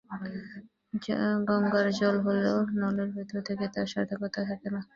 গঙ্গার জল হলেও নলের ভিতর থেকে তার সার্থকতা থাকে না।